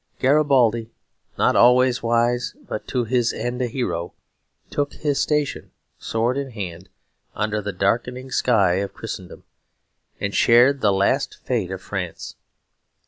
Garibaldi, not always wise but to his end a hero, took his station, sword in hand, under the darkening sky of Christendom, and shared the last fate of France.